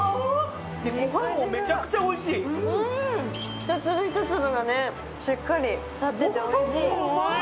１粒１粒がしっかり立ってておいしい。